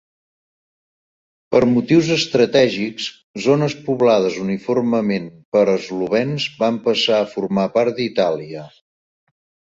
Per motius estratègics, zones poblades uniformement per eslovens van passar a formar part d'Itàlia.